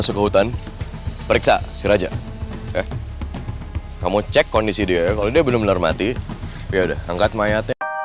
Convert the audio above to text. sampai jumpa di video selanjutnya